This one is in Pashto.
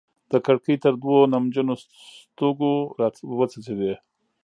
د کړکۍ تر دوو نمجنو ستوګو راوڅڅيدې